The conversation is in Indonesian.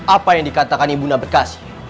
apa yang dikatakan ibu nda berkasi